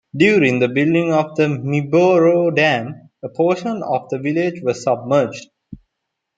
During the building of the Miboro dam, a portion of the village was submerged.